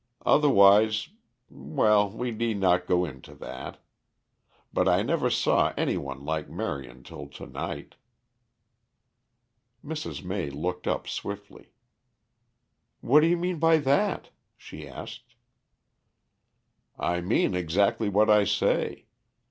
Otherwise well, we need not go into that. But I never saw any one like Marion till to night." Mrs. May looked up swiftly. "What do you mean by that?" she asked. "I mean exactly what I say.